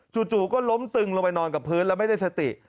จู่ก็ล้มตึงลงไปนอนกับพื้นแล้วไม่ได้สติ